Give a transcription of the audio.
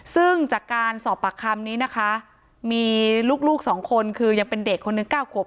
ซึ่งจากการสอบปากคำนี้นะคะมีลูก๒คนคือยังเป็นเด็กคนหนึ่ง๙ขวบ